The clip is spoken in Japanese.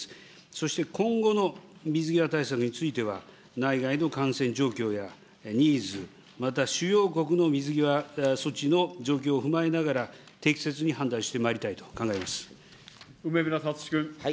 そして、今後の水際対策については、内外の感染状況やニーズ、また主要国の水際措置の状況を踏まえながら、適切に判断してまい梅村聡君。